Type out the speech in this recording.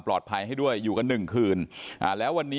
ขอบคุณทุกคน